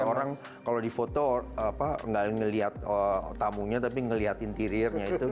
jadi orang kalau di foto nggak ngelihat tamunya tapi ngelihat interiornya